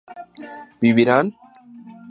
¿vivirán?